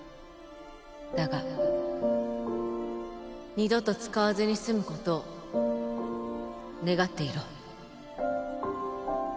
だが二度と使わずに済むことを願っていろ。